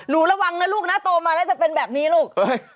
อ๋อรู้ระวังนะลูกโตมาแล้วจะเป็นแบบนี้ลูก